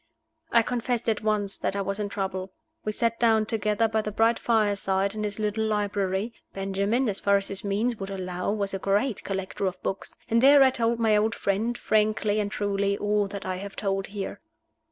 I confessed at once that I was in trouble. We sat down together by the bright fireside in his little library (Benjamin, as far as his means would allow, was a great collector of books), and there I told my old friend, frankly and truly, all that I have told here.